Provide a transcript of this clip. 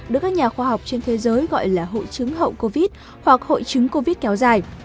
được các nhà khoa học trên thế giới gọi là hội chứng hậu covid hoặc hội chứng covid kéo dài